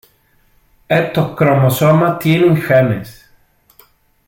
Estos cromosomas contienen genes.